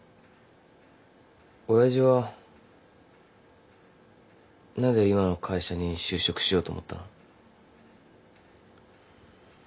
親父は何で今の会社に就職しようと思ったの？